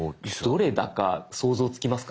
どれだか想像つきますか？